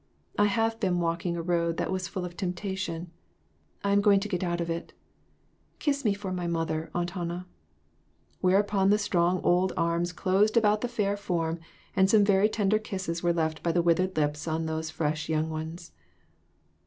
I have been walking a road that was full of temptation ; I am going to get out of it. Kiss me for my mother, Aunt Hannah." Where upon the strong old arms closed about the fair form, and some very tender kisses were left by the withered lips on those fresh young ones.